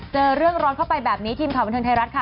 เจอเรื่องร้อนเข้าไปแบบนี้ทีมข่าวบันเทิงไทยรัฐค่ะ